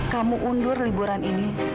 kamu undur liburan ini